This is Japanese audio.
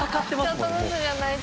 ちょっとずつじゃないと。